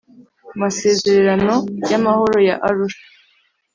masererano y'amahoro ya arusha.